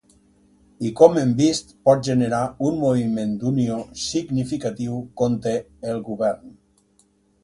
I com hem vist, pot generar un moviment d'unió significatiu conte el govern.